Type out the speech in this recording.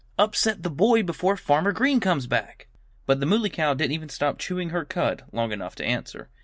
"Upset the boy before Farmer Green comes back!" But the Muley Cow didn't even stop chewing her cud long enough to answer.